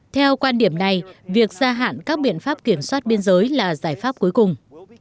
theo quan điểm này việc gia hạn các biện pháp kiểm soát biên giới là giải pháp cuối cùng